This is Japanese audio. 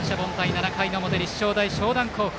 ７回の表、立正大淞南高校。